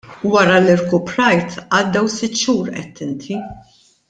Wara li rkuprajt, għaddew sitt xhur għedt inti.